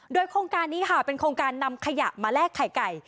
โดยโครงการนี้ค่ะเป็นโครงการนำขยะมาแลกไข่ไก่